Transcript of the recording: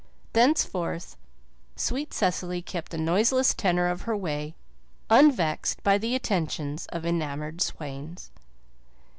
Thenceforth sweet Cecily kept the noiseless tenor of her way unvexed by the attentions of enamoured swains.